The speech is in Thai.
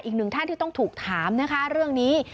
อีกหนึ่งท่านที่ต้องถูกถามนะคะเรื่องนี้